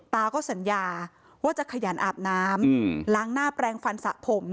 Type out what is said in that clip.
ตาก็สัญญาว่าจะขยันอาบน้ำล้างหน้าแปลงฟันสระผม